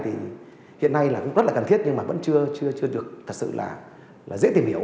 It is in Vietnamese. hiện nay cũng rất là cần thiết nhưng vẫn chưa được thật sự dễ tìm hiểu